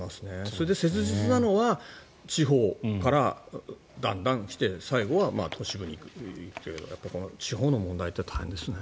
それで切実なのは地方からだんだん来て最後は都市部にという地方の問題って大変ですね。